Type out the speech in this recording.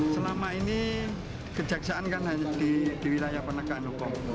selama ini kejaksaan kan hanya di wilayah penegakan hukum